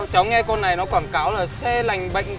trong một tháng năm trăm linh một tháng